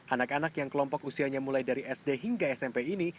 anak anak yang kelompok usianya mulai dari sd hingga smp ini